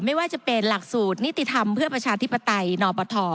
ไม่ว่าจะเป็นหลักสูตรนิติธรรมเพื่อประชาธิปไตยนอปท